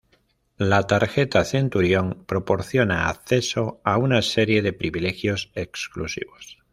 La tarjeta Centurión proporciona acceso a una serie de privilegios exclusivos.